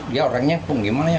dia orangnya pung gimana ya